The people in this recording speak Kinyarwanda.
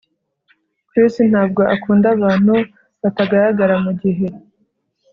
Chris ntabwo akunda abantu batagaragara mugihe